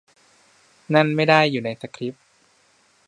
นั่นไม่ได้อยู่ในสคริปต์